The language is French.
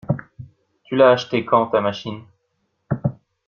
Tu l'as acheté quand ta machine?